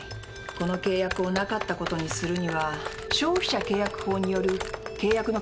この契約をなかったことにするには消費者契約法による契約の取り消しくらいしかないわ。